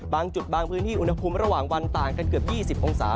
บางจุดบางพื้นที่อุณหภูมิระหว่างวันต่างกันเกือบ๒๐องศา